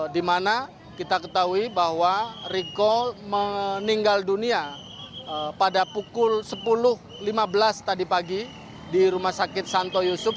di mana kita ketahui bahwa riko meninggal dunia pada pukul sepuluh lima belas tadi pagi di rumah sakit santo yusuf